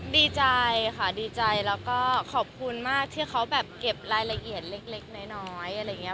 ดีใจค่ะดีใจแล้วก็ขอบคุณมากที่เขาแบบเก็บรายละเอียดเล็กน้อยอะไรอย่างนี้